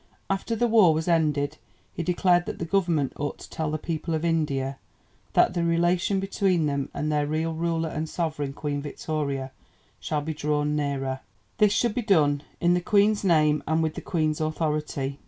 After the war was ended he declared that the Government ought to tell the people of India "that the relation between them and their real ruler and sovereign, Queen Victoria, shall be drawn nearer." This should be done "in the Queen's name and with the Queen's authority."